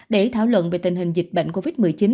để thảo luận về tình hình dịch bệnh covid một mươi chín